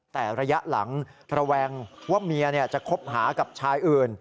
แต่ระยะหลังระแวงว่าเมียจะคบหากับชายอื่น